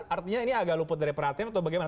artinya ini agak luput dari perhatian atau bagaimana